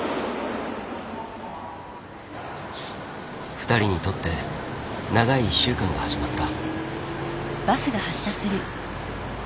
２人にとって長い１週間が始まった。